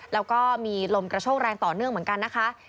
แล้วก็มีลมกระโชกแรงต่อเนื่องเหมือนกันนะคะ